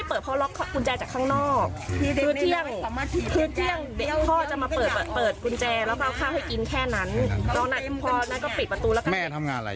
เออถูกขังแล้วให้เขาไปทำอะไร